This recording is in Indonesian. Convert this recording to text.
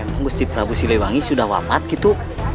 emang gusti prabu siliwangi sudah wapat gitu